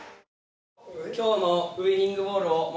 きょうのウイニングボールを。